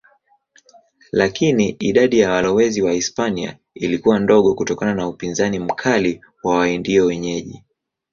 Lakini idadi ya walowezi Wahispania ilikuwa ndogo kutokana na upinzani mkali wa Waindio wenyeji.